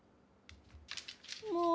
もう。